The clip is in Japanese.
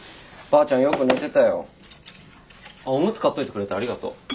あっおむつ買っといてくれてありがとう。